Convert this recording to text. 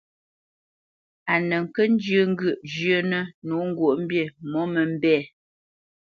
A nə kə́ njyə́ ŋgyə̂ʼ zhyə́nə̄ nǒ ŋgwǒʼmbî mǒmə́mbɛ̂.